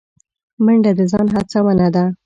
منډه د ځان هڅونه ده